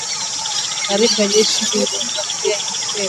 Taarifa ya jeshi la Jamhuri ya kidemokrasia ya Kongo imesema.